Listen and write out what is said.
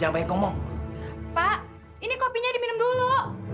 pak ini kopinya diminum dulu